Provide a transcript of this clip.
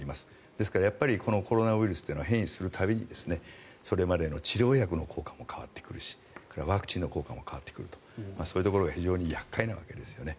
ですからやはりこのコロナウイルスというのは変異する度にこれまでの治療薬の効果も変わってくるしワクチンの効果も変わってくるとそういうところが非常に厄介なわけですよね。